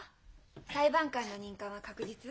裁判官の任官は確実？